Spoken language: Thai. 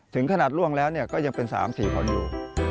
ถึงขนาดล่วงแล้วก็ยังเป็น๓๔คนอยู่